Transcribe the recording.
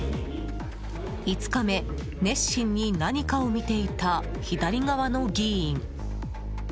５日目、熱心に何かを見ていた左側の議員。